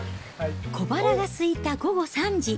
小腹がすいた午後３時。